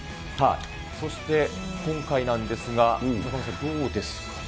そして今回なんですが、中丸さん、どうですかね？